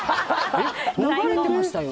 流れてましたよ。